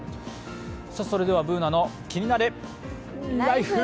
それでは「ＢｏｏｎａのキニナルＬＩＦＥ」